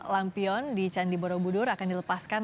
lampion di candi borobudur akan dilepaskan